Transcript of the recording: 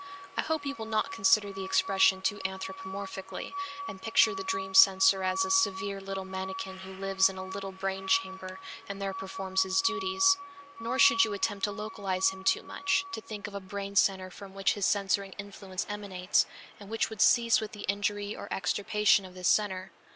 I hope you will not consider the expression too anthropomorphically, and picture the dream censor as a severe little manikin who lives in a little brain chamber and there performs his duties; nor should you attempt to localize him too much, to think of a brain center from which his censoring influence emanates, and which would cease with the injury or extirpation of this center.